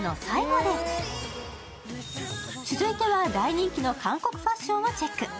続いては大人気の韓国ファッションをチェック。